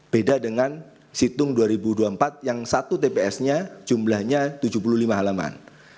beda dengan situng dua ribu dua puluh empat yang satu tps nya jumlahnya tujuh puluh lima halaman